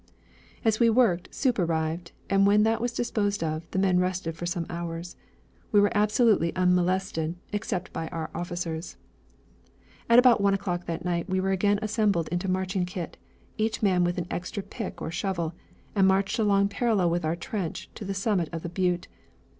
As we worked, soup arrived, and when that was disposed of, the men rested for some hours. We were absolutely unmolested except by our officers. But at one o'clock that night we were again assembled in marching kit, each man with an extra pick or shovel, and marched along parallel with our trench to the summit of the butte.